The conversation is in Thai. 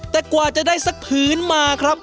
แต่กว่าจะได้สักผืนมาครับ